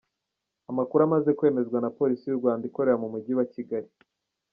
Amakuru amaze kwemezwa na Polisi y’u Rwanda ikorera mu mujyi wa Kigali.